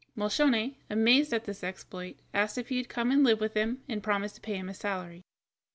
Moscione, amazed at this exploit, asked if he would come and live with him, and promised to pay him a salary.